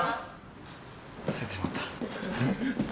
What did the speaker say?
忘れてしまった。